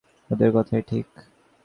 ওদের কথাই ঠিক।